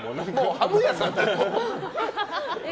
ハム屋さんだ。